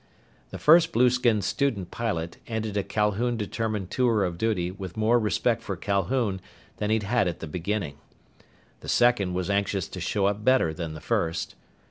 The first blueskin student pilot ended a Calhoun determined tour of duty with more respect for Calhoun then he'd had at the beginning. The second was anxious to show up better than the first.